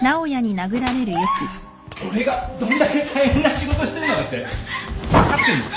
俺がどんだけ大変な仕事してるのかって分かってんのか？